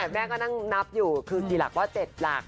แม่ก็นั่งนับอยู่คือ๔หลักว่า๗หลัก